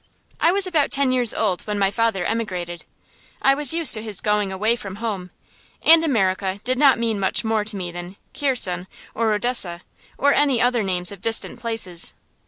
I was about ten years old when my father emigrated. I was used to his going away from home, and "America" did not mean much more to me than "Kherson," or "Odessa," or any other names of distant places.